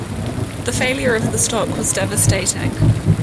The failure of the stock was devastating.